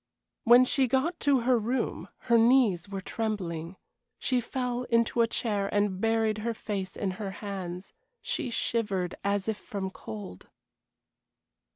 When she got to her room her knees were trembling. She fell into a chair and buried her face in her hands. She shivered as if from cold.